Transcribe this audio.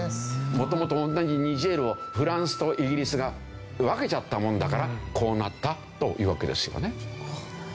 元々同じニジェールをフランスとイギリスが分けちゃったもんだからこうなったというわけですよね。